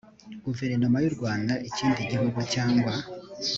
guverinoma y u rwanda ikindi gihugu cyangwa